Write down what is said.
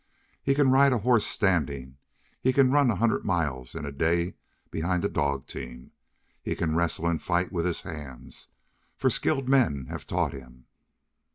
He can ride a horse standing; he can run a hundred miles in a day behind a dog team. He can wrestle and fight with his hands, for skilled men have taught him.